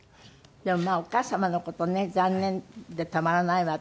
でもまあお母様の事ね残念でたまらないわ私。